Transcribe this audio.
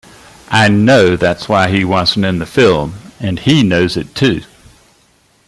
I know that's why he wasn't in the film, and he knows it too.